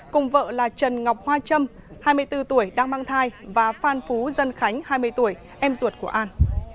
cùng vợ là trần ngọc hoa trâm hai mươi bốn tuổi đang mang thai và phan phú dân khánh hai mươi tuổi em ruột của an